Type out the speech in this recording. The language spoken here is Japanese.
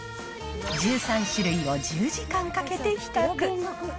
１３種類を１０時間かけて比較。